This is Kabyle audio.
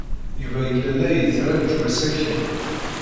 Yuba yella la yettṛaju asakal.